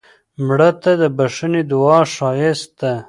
مړه ته د بښنې دعا ښایسته ده